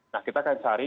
nah kita akan cari